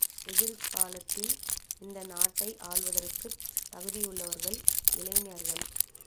எதிர்காலத்தில் இந்த நாட்டை ஆள்வதற்குத் தகுதியுள்ளவர்கள் இளைஞர்கள்.